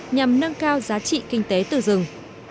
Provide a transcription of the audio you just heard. nhằm nâng cao giá trị kinh tế từ rừng